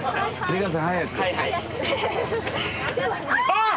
あっ！